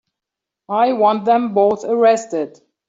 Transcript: I want them both arrested.